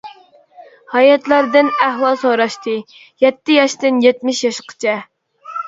ھاياتلاردىن ئەھۋال سوراشتى، يەتتە ياشتىن يەتمىش ياشقىچە.